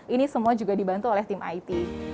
ini semua juga dibantu oleh tim it